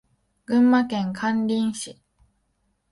群馬県館林市